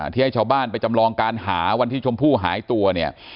ให้ชาวบ้านไปจำลองการหาวันที่ชมพู่หายตัวเนี่ย